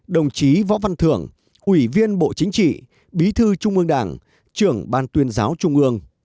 bảy đồng chí võ văn thưởng ủy viên bộ chính trị bí thư trung ương đảng